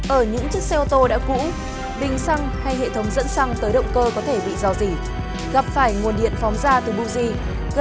ở những chiếc xe ô tô đã cũ bình xăng hay hệ thống dẫn xăng tới động cơ có thể bị dò dỉ gặp phải nguồn điện phóng ra từ buzi gây ra cháy lớn